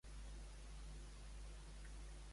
Amb qui s'enfronten Thomas i Roquefort?